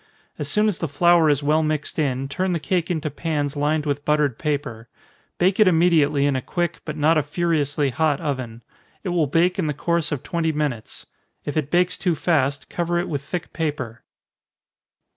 As soon as the flour is well mixed in, turn the cake into pans lined with buttered paper bake it immediately in a quick, but not a furiously hot oven. It will bake in the course of twenty minutes. If it bakes too fast, cover it with thick paper.